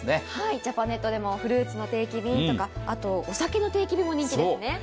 ジャパネットでもフルーツの定期便とか、お酒の定期便も人気ですね。